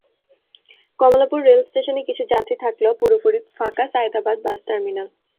Kamalapur rail স্টেশনে কিছু যাত্রী থাকলেও পুরোপুরি ফাঁকা সায়েদাবাদ বাস টার্মিনাল।